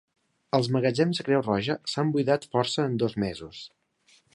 Els magatzems de Creu Roja s'han buidat força en dos mesos.